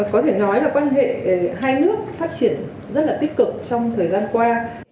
có thể nói là quan hệ hai nước phát triển rất là tích cực trong thời gian qua